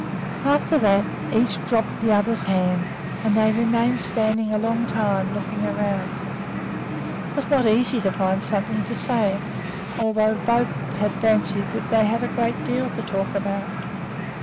After that, each dropped the other's hand and they remained standing a long time, looking around. It was not easy to find something to say, although both had fancied that they had a great deal to talk about.